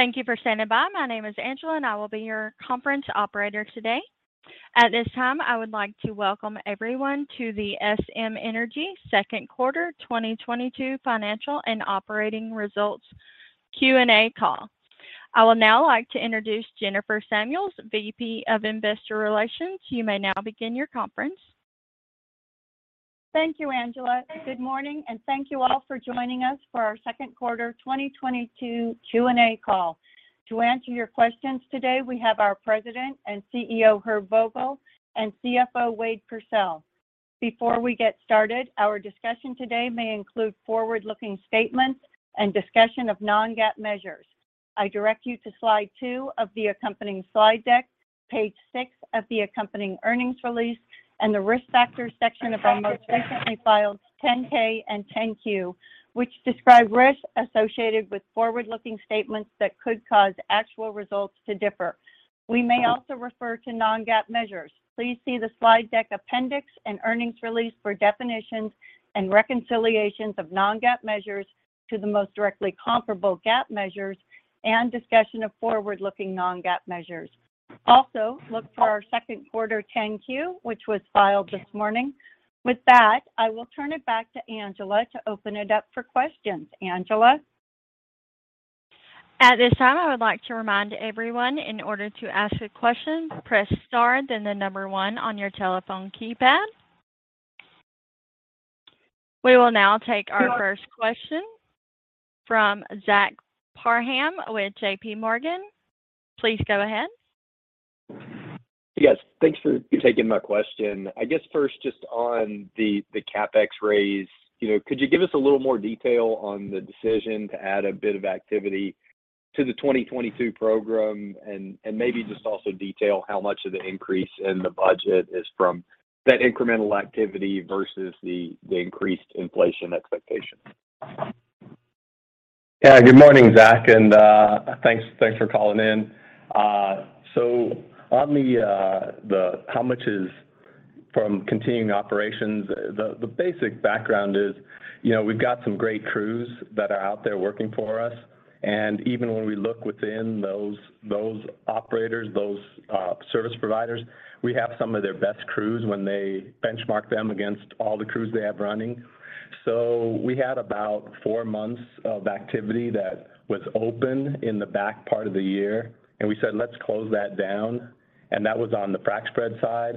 Thank you for standing by. My name is Angela, and I will be your conference operator today. At this time, I would like to welcome everyone to the SM Energy second quarter 2022 financial and operating results Q&A call. I would now like to introduce Jennifer Samuels, VP of Investor Relations. You may now begin your conference. Thank you, Angela. Good morning, and thank you all for joining us for our second quarter 2022 Q&A call. To answer your questions today, we have our President and CEO, Herb Vogel, and CFO, Wade Pursell. Before we get started, our discussion today may include forward-looking statements and discussion of non-GAAP measures. I direct you to slide 2 of the accompanying slide deck, page 6 of the accompanying earnings release and the Risk Factors section of our most recently filed Form 10-K and Form 10-Q, which describe risks associated with forward-looking statements that could cause actual results to differ. We may also refer to non-GAAP measures. Please see the slide deck appendix and earnings release for definitions and reconciliations of non-GAAP measures to the most directly comparable GAAP measures and discussion of forward-looking non-GAAP measures. Also, look for our second quarter Form 10-Q, which was filed this morning. With that, I will turn it back to Angela to open it up for questions. Angela? At this time, I would like to remind everyone in order to ask a question, press star then the number one on your telephone keypad. We will now take our first question from Zach Parham with J.P. Morgan. Please go ahead. Yes. Thanks for taking my question. I guess first just on the CapEx raise. You know, could you give us a little more detail on the decision to add a bit of activity to the 2022 program and maybe just also detail how much of the increase in the budget is from that incremental activity versus the increased inflation expectation? Yeah. Good morning, Zach, and thanks for calling in. On the how much is from continuing operations, the basic background is, you know, we've got some great crews that are out there working for us. Even when we look within those operators, those service providers, we have some of their best crews when they benchmark them against all the crews they have running. We had about four months of activity that was open in the back part of the year, and we said, "Let's close that down." That was on the frac spread side.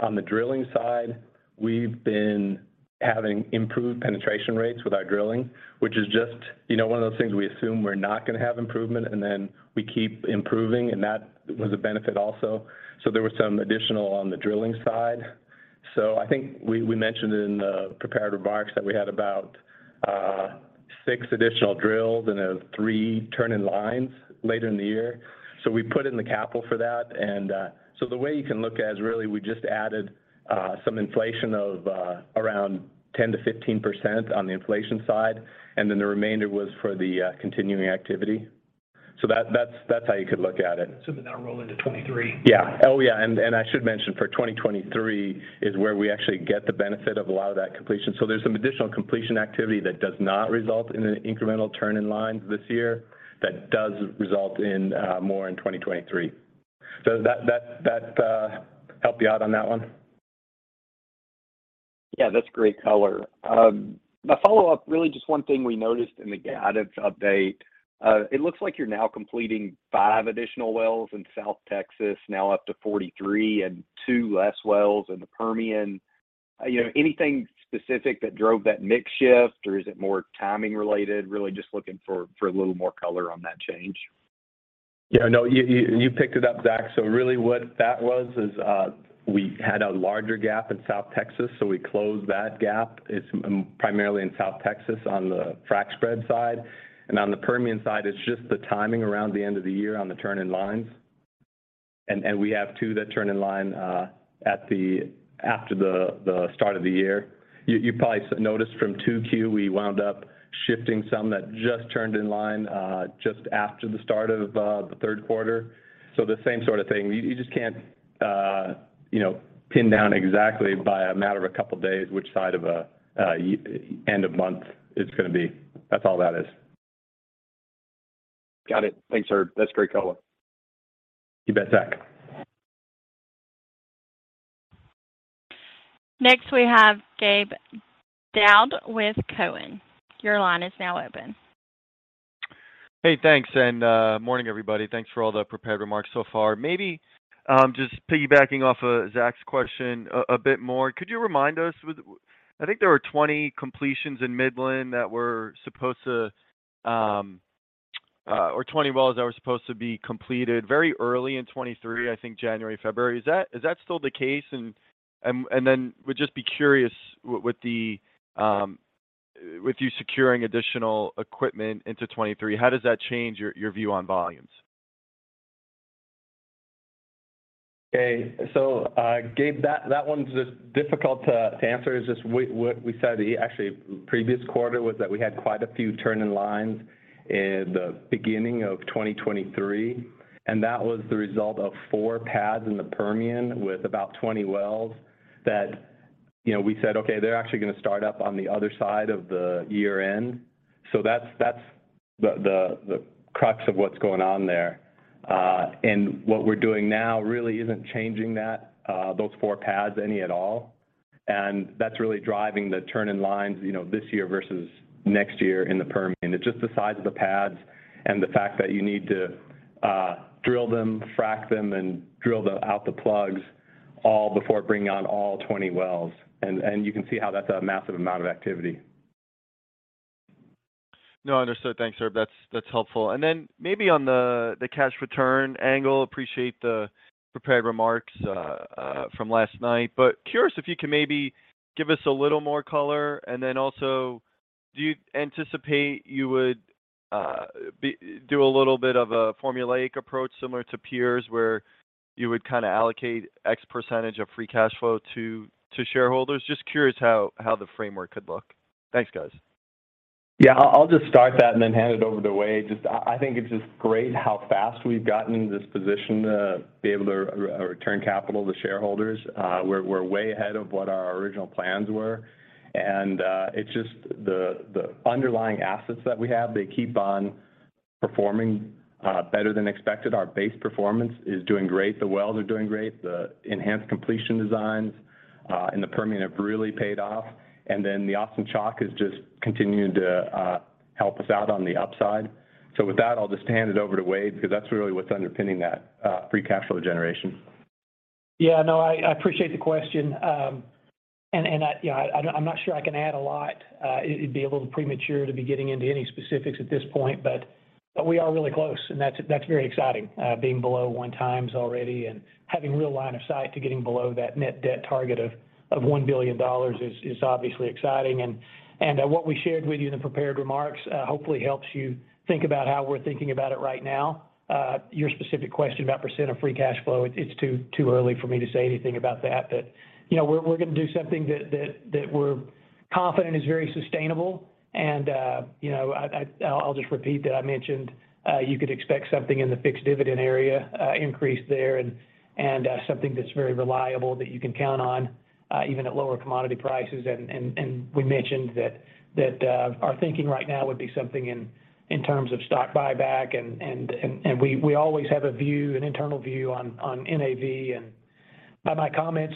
On the drilling side, we've been having improved penetration rates with our drilling, which is just, you know, one of those things we assume we're not gonna have improvement, and then we keep improving, and that was a benefit also. There was some additional on the drilling side. I think we mentioned in the prepared remarks that we had about six additional drills and three turn in lines later in the year. We put in the capital for that. The way you can look at is really we just added some inflation of around 10%-15% on the inflation side, and then the remainder was for the continuing activity. That's how you could look at it. Some of that will roll into 2023. Yeah. Oh, yeah, I should mention for 2023 is where we actually get the benefit of a lot of that completion. There's some additional completion activity that does not result in an incremental turn in lines this year that does result in more in 2023. That help you out on that one? Yeah. That's great color. A follow-up, really just one thing we noticed in the guidance update. It looks like you're now completing 5 additional wells in South Texas, now up to 43, and 2 less wells in the Permian. You know, anything specific that drove that mix shift, or is it more timing related? Really just looking for a little more color on that change. Yeah, no, you picked it up, Zach. Really what that was is we had a larger gap in South Texas, so we closed that gap. It's primarily in South Texas on the frac spread side. On the Permian side, it's just the timing around the end of the year on the turn in lines. We have two that turn in line after the start of the year. You probably noticed from 2Q, we wound up shifting some that just turned in line just after the start of the third quarter. The same sort of thing. You just can't, you know, pin down exactly by a matter of a couple days which side of a year-end or month-end it's gonna be. That's all that is. Got it. Thanks, Herb. That's great color. You bet, Zach. Next, we have Gabe Daoud with Cowen. Your line is now open. Hey, thanks. Morning, everybody. Thanks for all the prepared remarks so far. Maybe just piggybacking off of Zach's question a bit more. Could you remind us? I think there were 20 completions in Midland that were supposed to or 20 wells that were supposed to be completed very early in 2023, I think January, February. Is that still the case? Then would just be curious with you securing additional equipment into 2023, how does that change your view on volumes? Okay. Gabe, that one's difficult to answer. It's just what we said, actually previous quarter, was that we had quite a few turn in lines in the beginning of 2023, and that was the result of 4 pads in the Permian with about 20 wells. You know, we said, okay, they're actually gonna start up on the other side of the year end. That's the crux of what's going on there. What we're doing now really isn't changing those 4 pads any at all. That's really driving the turn in lines, you know, this year versus next year in the Permian. It's just the size of the pads and the fact that you need to drill them, frack them, and drill out the plugs all before bringing on all 20 wells. You can see how that's a massive amount of activity. No, understood. Thanks, Herb. That's helpful. Then maybe on the cash return angle, appreciate the prepared remarks from last night, but curious if you can maybe give us a little more color, and then also, do you anticipate you would do a little bit of a formulaic approach similar to peers, where you would kind of allocate X percentage of free cash flow to shareholders? Just curious how the framework could look. Thanks, guys. Yeah. I'll just start that and then hand it over to Wade. Just, I think it's just great how fast we've gotten into this position to be able to return capital to shareholders. We're way ahead of what our original plans were, and it's just the underlying assets that we have. They keep on performing better than expected. Our base performance is doing great. The wells are doing great. The enhanced completion designs in the Permian have really paid off. The Austin Chalk has just continued to help us out on the upside. With that, I'll just hand it over to Wade because that's really what's underpinning that free cash flow generation. I appreciate the question. I'm not sure I can add a lot. It'd be a little premature to be getting into any specifics at this point, but we are really close, and that's very exciting. Being below 1 times already and having real line of sight to getting below that net debt target of $1 billion is obviously exciting. What we shared with you in the prepared remarks hopefully helps you think about how we're thinking about it right now. Your specific question about % of free cash flow, it's too early for me to say anything about that. You know, we're gonna do something that we're confident is very sustainable and, you know, I'll just repeat that I mentioned you could expect something in the fixed dividend area, increase there and something that's very reliable that you can count on, even at lower commodity prices. We mentioned that our thinking right now would be something in terms of stock buyback and we always have a view, an internal view on NAV. By my comments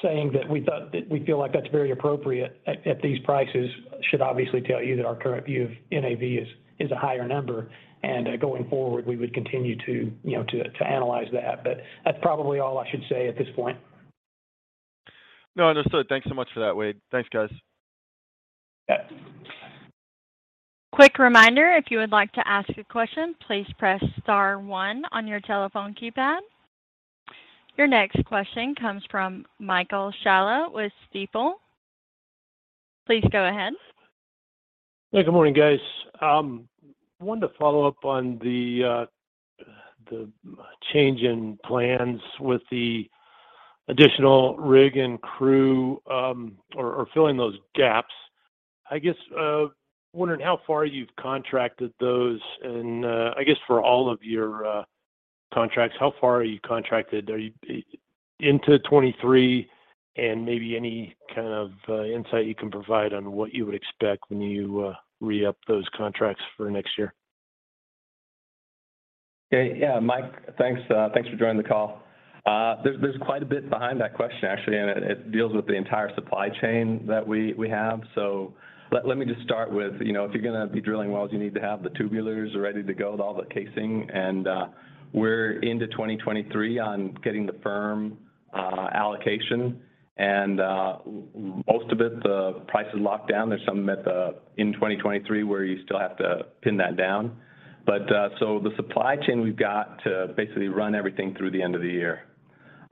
saying that we feel like that's very appropriate at these prices should obviously tell you that our current view of NAV is a higher number. Going forward, we would continue to, you know, to analyze that. That's probably all I should say at this point. No, understood. Thanks so much for that, Wade. Thanks, guys. Yeah. Quick reminder, if you would like to ask a question, please press star one on your telephone keypad. Your next question comes from Michael Scialla with Stifel. Please go ahead. Yeah. Good morning, guys. Wanted to follow up on the change in plans with the additional rig and crew, or filling those gaps. I guess wondering how far you've contracted those and, I guess for all of your contracts, how far are you contracted? Are you into 2023? Maybe any kind of insight you can provide on what you would expect when you re-up those contracts for next year. Yeah. Mike, thanks for joining the call. There's quite a bit behind that question actually, and it deals with the entire supply chain that we have. Let me just start with, you know, if you're gonna be drilling wells, you need to have the tubulars ready to go with all the casing. We're into 2023 on getting the firm allocation. Most of it, the price is locked down. There's some in 2023 where you still have to pin that down. The supply chain, we've got to basically run everything through the end of the year.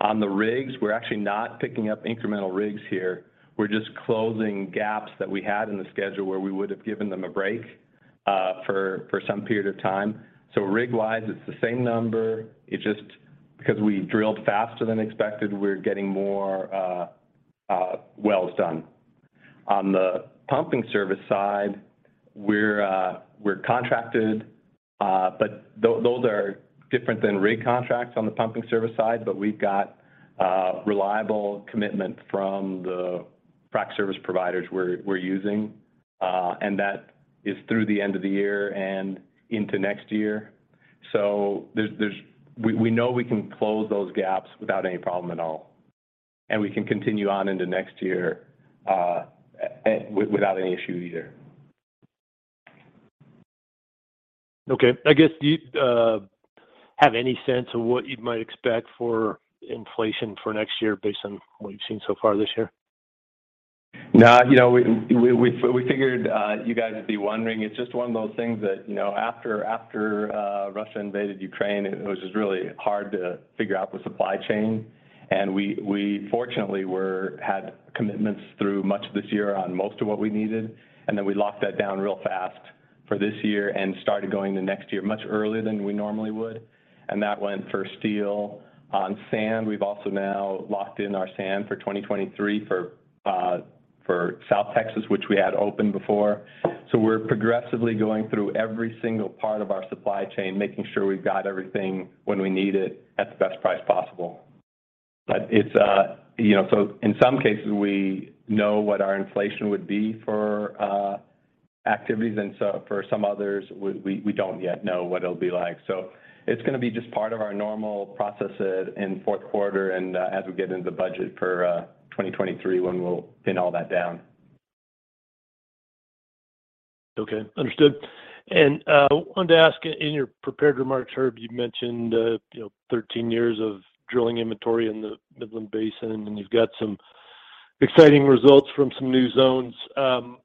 On the rigs, we're actually not picking up incremental rigs here. We're just closing gaps that we had in the schedule where we would have given them a break for some period of time. Rig-wise, it's the same number. It's just because we drilled faster than expected, we're getting more wells done. On the pumping service side, we're contracted, but those are different than rig contracts on the pumping service side. We've got reliable commitment from the frac service providers we're using, and that is through the end of the year and into next year. We know we can close those gaps without any problem at all, and we can continue on into next year without any issue either. Okay. I guess, do you have any sense of what you might expect for inflation for next year based on what you've seen so far this year? No. You know, we figured you guys would be wondering. It's just one of those things that, you know, after Russia invaded Ukraine, it was just really hard to figure out the supply chain. We fortunately had commitments through much of this year on most of what we needed, and then we locked that down real fast for this year and started going to next year much earlier than we normally would, and that went for steel. On sand, we've also now locked in our sand for 2023 for South Texas, which we had open before. We're progressively going through every single part of our supply chain, making sure we've got everything when we need it at the best price possible. It's you know, so in some cases, we know what our inflation would be for activities. For some others, we don't yet know what it'll be like. It's gonna be just part of our normal processes in fourth quarter and, as we get into the budget for 2023, when we'll pin all that down. Okay, understood. Wanted to ask in your prepared remarks, Herb, you mentioned, you know, 13 years of drilling inventory in the Midland Basin, and you've got some exciting results from some new zones.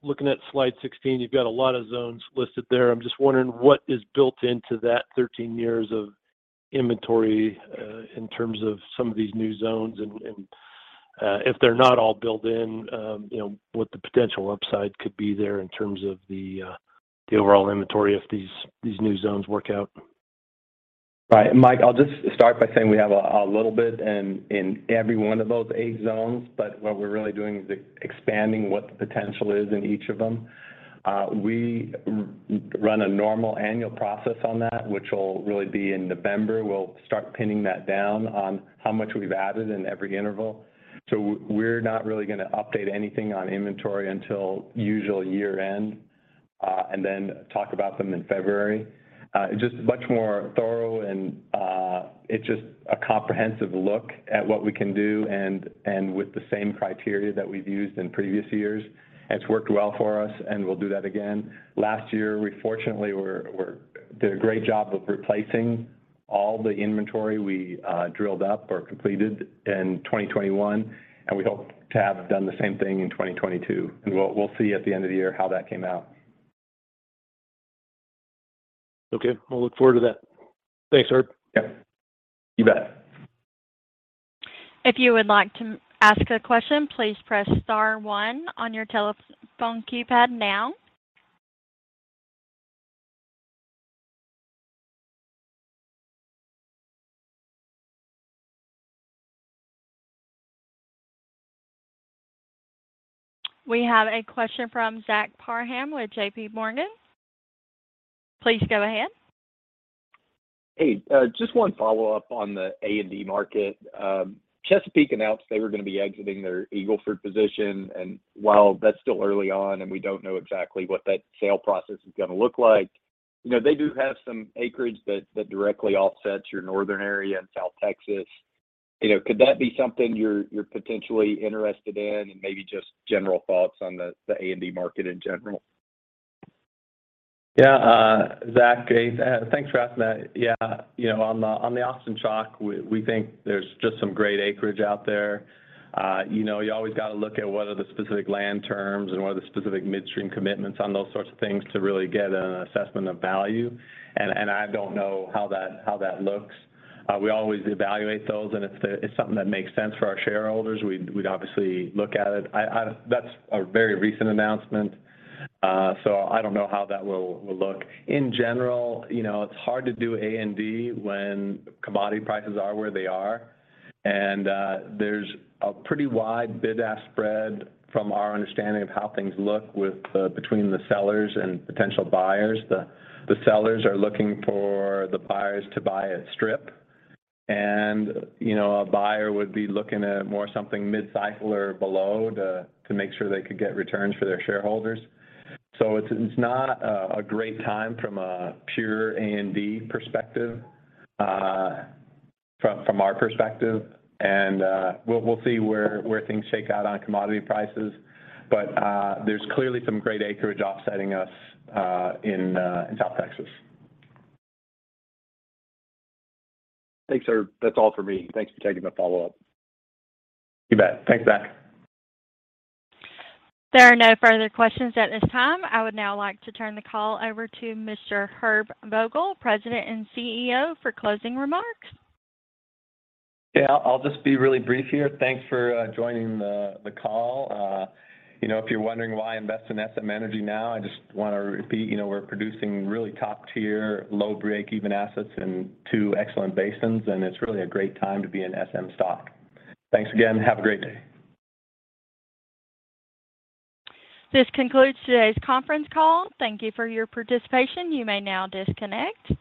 Looking at slide 16, you've got a lot of zones listed there. I'm just wondering what is built into that 13 years of inventory in terms of some of these new zones, and if they're not all built in, you know, what the potential upside could be there in terms of the overall inventory if these new zones work out. Right. Mike, I'll just start by saying we have a little bit in every one of those eight zones, but what we're really doing is expanding what the potential is in each of them. We run a normal annual process on that, which will really be in November. We'll start pinning that down on how much we've added in every interval. We're not really gonna update anything on inventory until usual year-end, and then talk about them in February. It's just much more thorough and it's just a comprehensive look at what we can do and with the same criteria that we've used in previous years, and it's worked well for us, and we'll do that again. Last year, we fortunately did a great job of replacing all the inventory we drilled up or completed in 2021, and we hope to have done the same thing in 2022. We'll see at the end of the year how that came out. Okay. We'll look forward to that. Thanks, Herb. Yeah. You bet. If you would like to ask a question, please press star one on your telephone keypad now. We have a question from Zach Parham with J.P. Morgan. Please go ahead. Hey. Just one follow-up on the A&D market. Chesapeake announced they were gonna be exiting their Eagle Ford position. While that's still early on and we don't know exactly what that sale process is gonna look like, you know, they do have some acreage that directly offsets your northern area in South Texas. You know, could that be something you're potentially interested in, and maybe just general thoughts on the A&D market in general? Yeah. Zach, hey, thanks for asking that. Yeah. You know, on the Austin Chalk, we think there's just some great acreage out there. You know, you always gotta look at what are the specific land terms and what are the specific midstream commitments on those sorts of things to really get an assessment of value. I don't know how that looks. We always evaluate those, and if it's something that makes sense for our shareholders, we'd obviously look at it. That's a very recent announcement, so I don't know how that will look. In general, you know, it's hard to do A&D when commodity prices are where they are. There's a pretty wide bid-ask spread from our understanding of how things look with the between the sellers and potential buyers. The sellers are looking for the buyers to buy a strip, and, you know, a buyer would be looking at more something mid-cycle or below to make sure they could get returns for their shareholders. It's not a great time from a pure A&D perspective, from our perspective and we'll see where things shake out on commodity prices. There's clearly some great acreage offsetting us in South Texas. Thanks, Herb. That's all for me. Thanks for taking my follow-up. You bet. Thanks, Zach. There are no further questions at this time. I would now like to turn the call over to Mr. Herb Vogel, President and CEO, for closing remarks. Yeah. I'll just be really brief here. Thanks for joining the call. You know, if you're wondering why invest in SM Energy now, I just wanna repeat, you know, we're producing really top-tier, low break-even assets in two excellent basins, and it's really a great time to be in SM stock. Thanks again. Have a great day. This concludes today's conference call. Thank you for your participation. You may now disconnect.